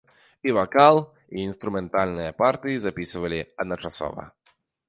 І вакал, і інструментальныя партыі запісвалі адначасова.